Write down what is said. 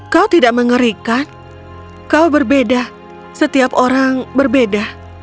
kau tidak mengerikan kau berbeda setiap orang berbeda